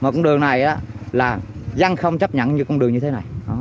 một con đường này là giăng không chấp nhận như con đường như thế này